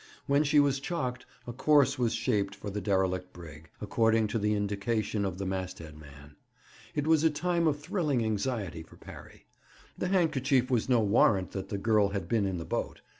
When she was chocked, a course was shaped for the derelict brig, according to the indication of the masthead man. It was a time of thrilling anxiety for Parry. The handkerchief was no warrant that the girl had been in the boat.